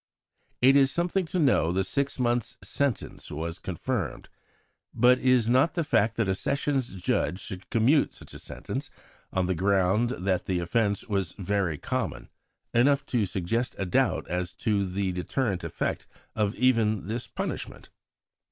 It is something to know the six months' sentence was confirmed. But is not the fact that a Sessions Judge should commute such a sentence, on the ground that the offence was "very common," enough to suggest a doubt as to the deterrent effect of even this punishment?